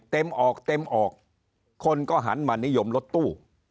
ออกเต็มออกคนก็หันมานิยมรถตู้